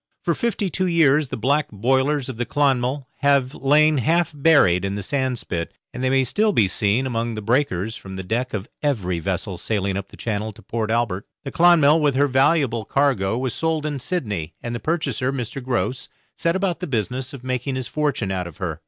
For fifty two years the black boilers of the 'Clonmel' have lain half buried in the sandspit, and they may still be seen among the breakers from the deck of every vessel sailing up the channel to Port Albert. The 'Clonmel', with her valuable cargo, was sold in Sydney, and the purchaser, Mr. Grose, set about the business of making his fortune out of her.